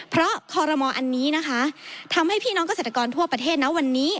เพราะคอรมออันนี้นะคะทำให้พี่น้องเกษตรกรทั่วประเทศนะวันนี้